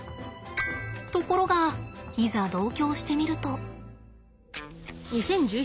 ところがいざ同居をしてみると。